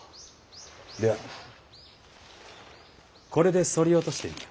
ではこれでそり落としてみよ。